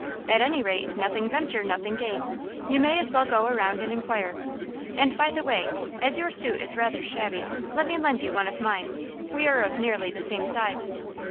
At any rate, 'nothing venture, nothing gain.' You may as well go around and inquire. And, by the way, as your suit is rather shabby, let me lend you one of mine. We are of nearly the same size."